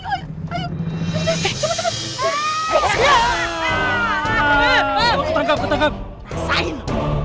kok suaranya kayak anak muda sih emang